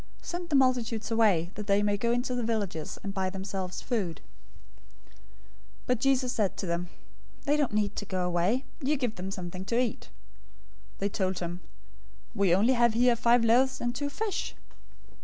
Send the multitudes away, that they may go into the villages, and buy themselves food." 014:016 But Jesus said to them, "They don't need to go away. You give them something to eat." 014:017 They told him, "We only have here five loaves and two fish."